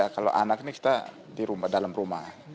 kalau anak ini kita di dalam rumah